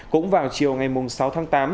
cũng vào chiều ngày sáu tháng tám